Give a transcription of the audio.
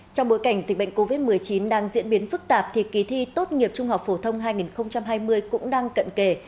trong bối cảnh dịch bệnh covid một mươi chín đang diễn biến phức tạp thì kỳ thi tốt nghiệp trung học phổ thông hai nghìn hai mươi cũng đang cận kề